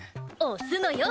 押すのよ